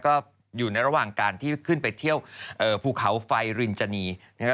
ก็อยู่ในระหว่างการที่ขึ้นไปเที่ยวภูเขาไฟรินจานีนะฮะ